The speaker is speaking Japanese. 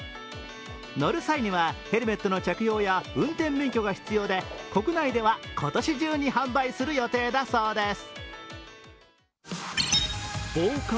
乗る際には、ヘルメットの着用や運転免許が必要で国内では今年中に販売する予定だそうです。